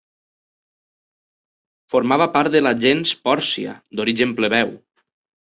Formava part de la gens Pòrcia, d'origen plebeu.